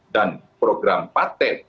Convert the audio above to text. dan program paten